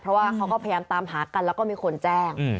เพราะว่าเขาก็พยายามตามหากันแล้วก็มีคนแจ้ง